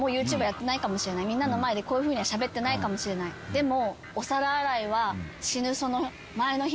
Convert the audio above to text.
「でも」